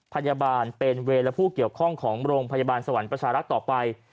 พยาบาลเป็นเวรและผู้เกี่ยวข้องของโรงพยาบาลสวรรค์ประชารักษ์ต่อไป